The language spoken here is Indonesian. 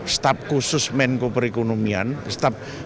staf khusus menko perekonomian